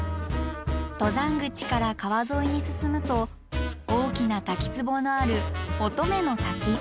登山口から川沿いに進むと大きな滝壺のある乙女の滝。